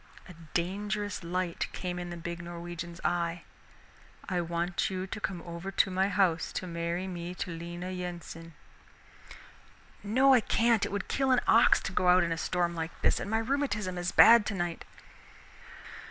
A dangerous light came in the big Norwegian's eye. "I want you to come over to my house to marry me to Lena Yensen." "No, I can't, it would kill an ox to go out in a storm like this, and my rheumatism is bad tonight."